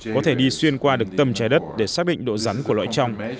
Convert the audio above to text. có thể đi xuyên qua được tầm trái đất để xác định độ rắn của loại trong